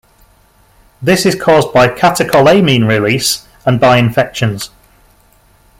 This is caused by catecholamine release and by infections.